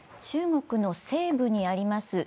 中国の西部にあります